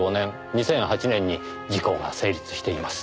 ２００８年に時効が成立しています。